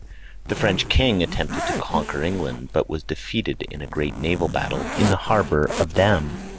The French king attempted to conquer England, but was defeated in a great naval battle in the harbor of Damme.